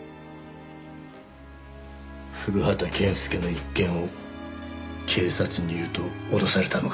古畑健介の一件を警察に言うと脅されたのか？